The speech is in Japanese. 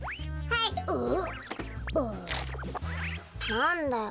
なんだよ？